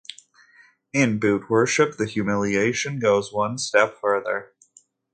In Boot worship, the humiliation goes one step further.